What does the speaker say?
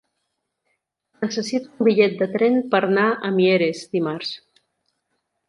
Necessito un bitllet de tren per anar a Mieres dimarts.